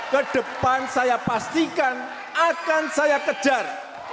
ke depan saya pastikan akan saya kejar